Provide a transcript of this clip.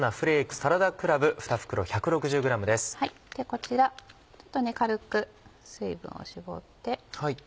こちらちょっと軽く水分を絞って。